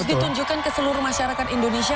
untuk menunjukkan ke seluruh masyarakat indonesia